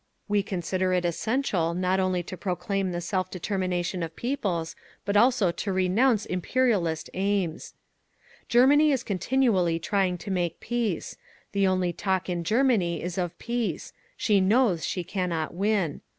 We consider it essential not only to proclaim the self determination of peoples, but also to renounce imperialist aims…." Germany is continually trying to make peace. The only talk in Germany is of peace; she knows she cannot win.